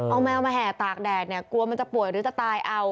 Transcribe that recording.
เอาแมวมาแห่ตากแดดเนี่ยกลัวมันจะป่วยหรือจะตายเอา